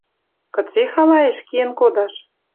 Кыце халаэш киэн кодаш?